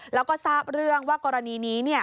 แล้วก็ทราบเรื่องว่ากรณีนี้